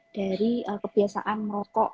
dari kebiasaan rokok